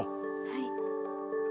はい。